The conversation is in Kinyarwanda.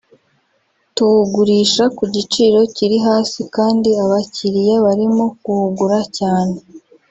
tuwugurisha ku giciro kiri hasi kandi abakiriya barimo kuwugura cyane